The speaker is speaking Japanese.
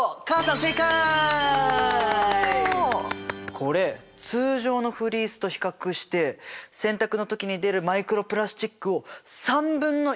これ通常のフリースと比較して洗濯の時に出るマイクロプラスチックを３分の１まで削減したんだって。